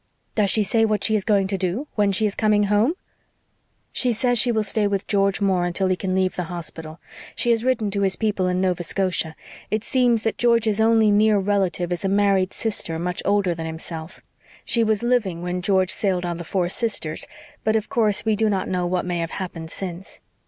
"Does she say what she is going to do? When is she coming home?" "She says she will stay with George Moore until he can leave the hospital. She has written to his people in Nova Scotia. It seems that George's only near relative is a married sister much older than himself. She was living when George sailed on the Four Sisters, but of course we do not know what may have happened since.